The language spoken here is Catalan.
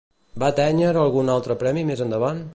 Va atènyer algun altre premi més endavant?